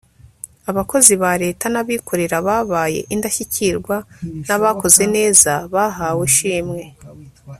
abakozi ba leta n' abikorera babaye indashyikirwa n'abakoze neza bahawe ishimwe